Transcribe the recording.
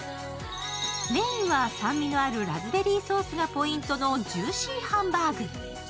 メインは酸味のあるラズベリーソースがポイントのジューシーハンバーグ。